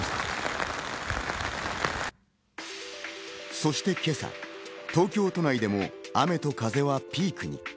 そして今朝、東京都内でも雨と風はピークに。